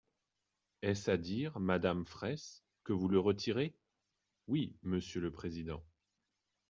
Est-ce à dire, madame Fraysse, que vous le retirez ? Oui, monsieur le président.